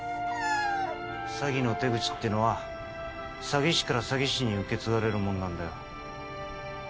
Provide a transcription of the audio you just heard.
詐欺の手口ってのは詐欺師から詐欺師に受け継がれるもんなんだよ